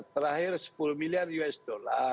terakhir sepuluh miliar usd